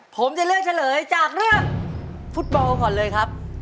ผมจะเลือกเฉลยจากเรื่องฟุตบอลก่อนเลยครับ